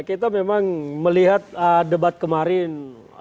kita memang melihat debat kemarin